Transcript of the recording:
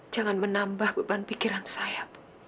jangan menambah beban pikiran saya